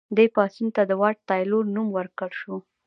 دې پاڅون ته د واټ تایلور نوم ورکړل شو.